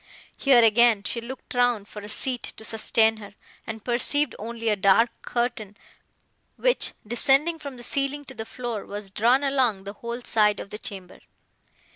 Here again she looked round for a seat to sustain her, and perceived only a dark curtain, which, descending from the ceiling to the floor, was drawn along the whole side of the chamber.